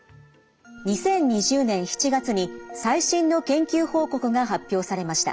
２０２０年７月に最新の研究報告が発表されました。